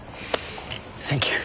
サンキュー。